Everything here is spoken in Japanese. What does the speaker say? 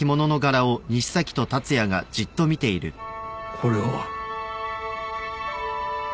これは。